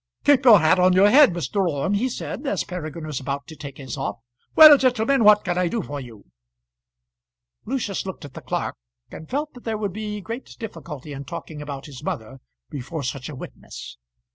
"Keep your hat on your head, Mr. Orme," he said, as Peregrine was about to take his off. "Well, gentlemen, what can I do for you?" Lucius looked at the clerk, and felt that there would be great difficulty in talking about his mother before such a witness.